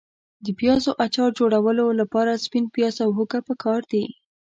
د پیاز اچار جوړولو لپاره سپین پیاز او هوګه پکار دي.